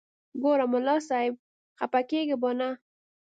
ګوره ملا صاحب خپه کېږې به نه.